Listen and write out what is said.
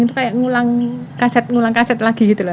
itu seperti mengulang kaset ulang kaset lagi